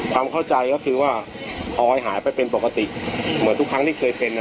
ความเข้าใจก็คือว่าออยหายไปเป็นปกติเหมือนทุกครั้งที่เคยเป็นอ่ะ